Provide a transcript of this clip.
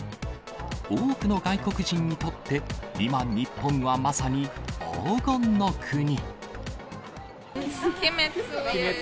多くの外国人にとって、今、日本はまさに黄金の国。